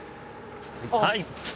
はい。